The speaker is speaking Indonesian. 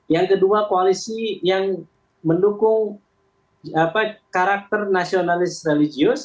yang kedua koalisi yang mendukung karakter nasionalis religius